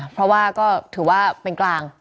เพราะว่าก็ถือว่าเป็นกลาง